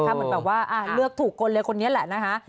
เหมือนแบบว่าเลือกถูกคนเลยคนนี้แหละนะคะ